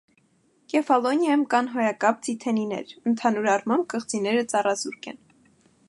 Կեֆալոնիայում կան հոյակապ ձիթենիներ, ընդհանուր առմամբ կղզիները ծառազուրկ են։